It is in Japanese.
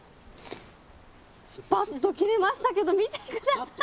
スパッと切れましたけど見て下さい。